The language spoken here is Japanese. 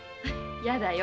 やだよ。